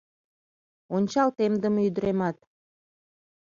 Ончал темдыме ӱдыремат